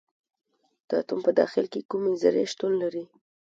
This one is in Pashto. د اتوم په داخل کې کومې ذرې شتون لري.